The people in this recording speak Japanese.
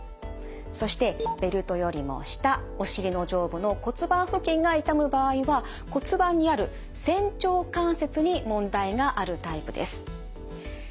そしてベルトよりも下お尻の上部の骨盤付近が痛む場合は骨盤にある仙腸関節に問題があるタイプです。